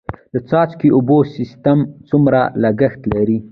د څاڅکي اوبو سیستم څومره لګښت لري؟